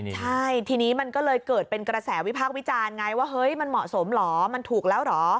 ใช่ทีนี้มันก็เลยเกิดเป็นกระแสวิพากษ์วิจารณ์ไงว่าเฮ้ยมันเหมาะสมเหรอมันถูกแล้วเหรอ